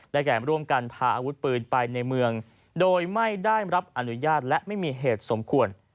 และการร่วมกันพาอาวุธปืนไปในเมืองโดยไม่ได้รับอนุญาตและไม่มีเหตุสมควร